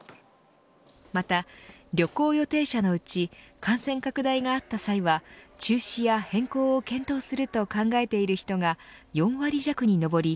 また、旅行予定者のうち感染拡大があった際は中止や変更を検討すると考えている人が４割弱に上り